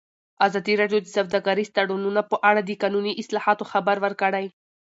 ازادي راډیو د سوداګریز تړونونه په اړه د قانوني اصلاحاتو خبر ورکړی.